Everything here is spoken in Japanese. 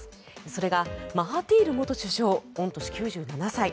それがマハティール元首相御年９７歳。